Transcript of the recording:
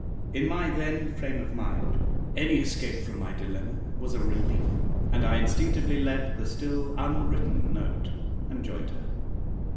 In my then frame of mind, any escape from my dilemma was a relief, and I instinctively left the still unwritten note and joined her.